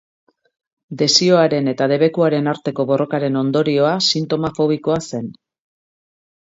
Desioaren eta debekuaren arteko borrokaren ondorioa sintoma fobikoa zen.